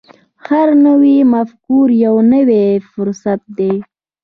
هره نوې مفکوره یو نوی فرصت دی.